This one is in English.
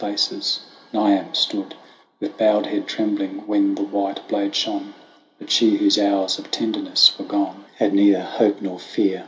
108 THE WANDERINGS OF OISIN Niamh stood With bowed head, trembling when the white blade shone, But she whose hours of tenderness were gone Had neither hope nor fear.